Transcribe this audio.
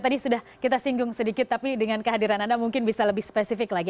tadi sudah kita singgung sedikit tapi dengan kehadiran anda mungkin bisa lebih spesifik lagi